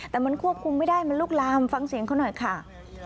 แต่มันควบคุมไม่ได้มันลุกลามฟังเสียงเขาหน่อยค่ะ